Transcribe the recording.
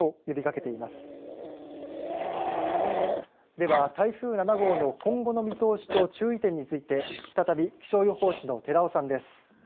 では、台風７号の今後の見通しと注意点について再び気象予報士の寺尾さんです。